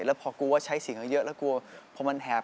แล้วพอกลัวว่าใช้เสียงเยอะแล้วกลัวพอมันแหบ